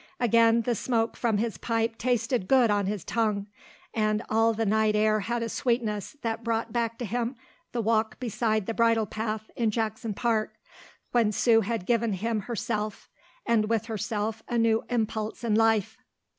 Again the smoke from his pipe tasted good on his tongue and all the night air had a sweetness that brought back to him the walk beside the bridle path in Jackson Park when Sue had given him herself, and with herself a new impulse in life.